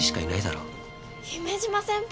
姫島先輩。